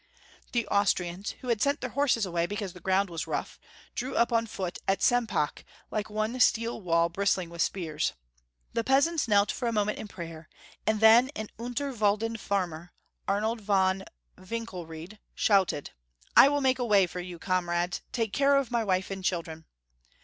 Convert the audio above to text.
The Austrians, who had sent their horses away because the ground was rough, drew up on foot at Sempach like one steel wall bristling Avith spears. The peasants knelt for a moment in prayer, and then an Unterwalden farmer, Arnold von WinkeMed, shouted, " I will make a way for you, comrades. Take care of my wife and children."